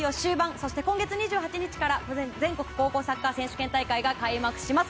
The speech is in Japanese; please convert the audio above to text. そして、今月２８日から全国高校サッカー選手権大会が開幕します。